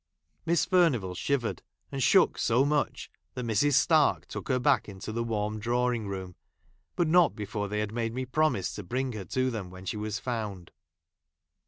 Miss Furnivall | shivered and shook so much, that Mi's. Stark i took her back into the warm drawing room ; but not before they had made me promise to i ■ bring her to them when she was found.